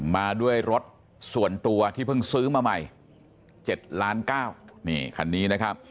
มาด้วยรถส่วนตัวที่เพิ่งซื้อมาใหม่๗ล้านเก้านี่คันนี้นะครับ